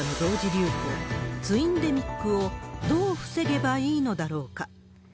流行、ツインデミックをどう防げばいいのだろうか。